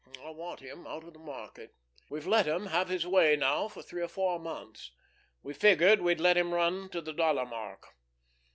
I want him out of the market. We've let him have his way now for three or four months. We figured we'd let him run to the dollar mark.